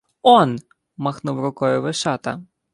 — Он! — махнув рукою Вишата.